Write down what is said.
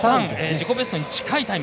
自己ベストに近いタイム。